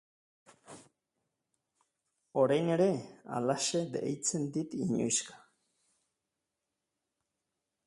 Orain ere, halaxe deitzen dit inoizka.